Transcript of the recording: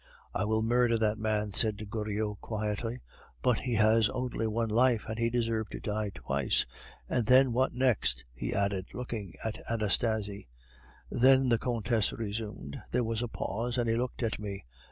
"I will murder that man," said Goriot quietly. "But he has only one life, and he deserves to die twice. And then, what next?" he added, looking at Anastasie. "Then," the Countess resumed, "there was a pause, and he looked at me.